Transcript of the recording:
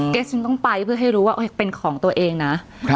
เกรสจึงต้องไปเพื่อให้รู้ว่าโอ้ยเป็นของตัวเองน่ะค่ะ